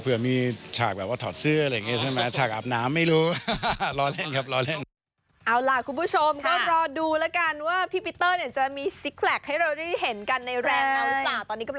เผื่อมีฉากแบบว่าถอดเสื้ออะไรอย่างนี้ใช่ไหม